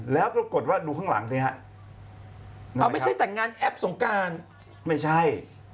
แล้วปรากฏว่าดูข้างหลังสิฮะเอาไม่ใช่แต่งงานแอปสงการไม่ใช่